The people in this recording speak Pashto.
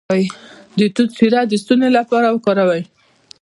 د توت شیره د ستوني لپاره وکاروئ